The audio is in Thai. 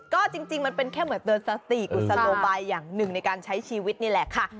ก็จริงมันเป็นแค่เหมือนเตือนสติกุศโลบายอย่างหนึ่งในการใช้ชีวิตนี่แหละค่ะ